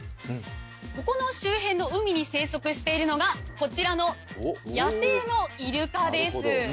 ここの周辺の海に生息しているのがこちらの野生のイルカです